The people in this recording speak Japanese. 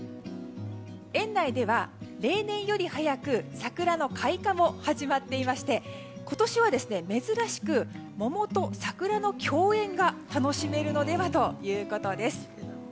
園内では例年より早く桜の開花も始まっていまして今年は珍しく桃と桜の共演が楽しめるのではということです。